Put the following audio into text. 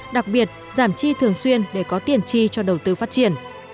đặc biệt giảm chi thường xuyên để có tiền chi cho đầu tư phát triển